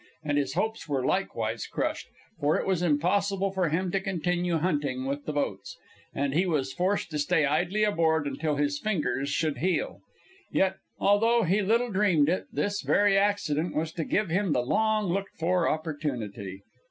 And his hopes were likewise crushed, for it was impossible for him to continue hunting with the boats, and he was forced to stay idly aboard until his fingers should heal. Yet, although he little dreamed it, this very accident was to give him the long looked for opportunity.